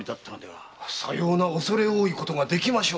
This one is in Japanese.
さようなおそれ多いことができましょうか？